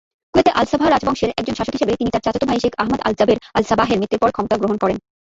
কুয়েতে Al Sabah রাজবংশের একাদশ শাসক হিসাবে তিনি তার চাচাত ভাই শেখ আহমদ আল-জাবের আল-সাবাহের মৃত্যুর পর ক্ষমতা গ্রহণ করেন।